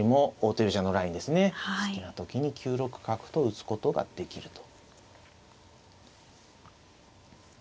好きな時に９六角と打つことができると。